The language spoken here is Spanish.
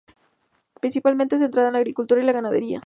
Principalmente centrada en la agricultura y la ganadería.